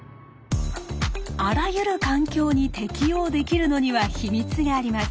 あらゆる環境に適応できるのには秘密があります。